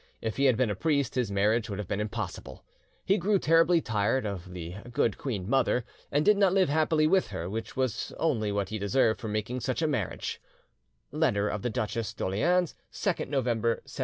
If he had been a priest his marriage would have been impossible. He grew terribly tired of the good queen mother, and did not live happily with her, which was only what he deserved for making such a marriage" (Letter of the Duchesse d'Orleans, 2nd November 1717).